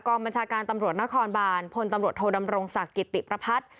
บัญชาการตำรวจนครบานพลตำรวจโทดำรงศักดิ์กิติประพัฒน์